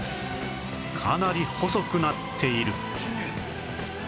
かなり細くなっている